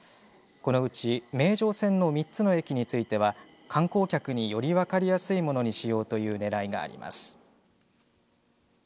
このうち名城線の３つの駅については観光客により分かりやすいものにしようというねらいがあります。